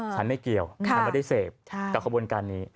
ฉันไม่เกี่ยวฉันไม่ได้เสพกับขบวนการนี้